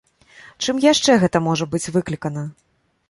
Чым яшчэ гэта можа быць выклікана?